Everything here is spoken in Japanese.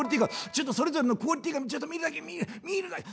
ちょっとそれぞれのクオリティーがちょっと見るだけ見る見るだけ」。